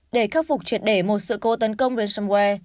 để khắc phục triệt để một sự cố tấn công dnsomware